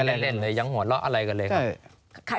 เล่นเลยยังหัวเราะอะไรกันเลยครับ